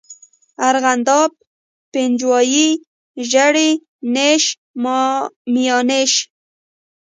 ارغنداب، پنجوائی، ژړی، نیش، میانشین.